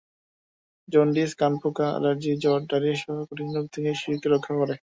Jaundice, কানপাকা, allergy, জ্বর, ডায়রিয়াসহ কঠিন রোগ থেকে শিশুকে রক্ষা করে।